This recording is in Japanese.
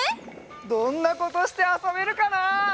どんなことしてあそべるかな？